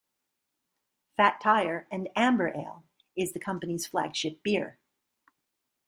Fat Tire, an amber ale, is the company's flagship beer.